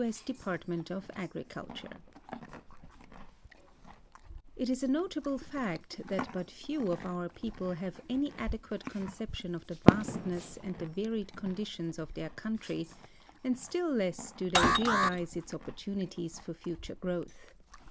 S. Depnrtwent of A(jriruUure It is a notal)le fact that l)Ut few of our jK ojjle liavo any adf quate conception of the vastness and the varied condition.s of their country, and still less do they realize its opportunities for future growth.